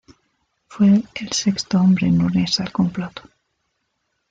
Fue el sexto hombre en unirse al complot.